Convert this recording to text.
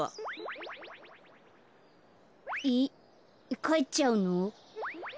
えっかえっちゃうの？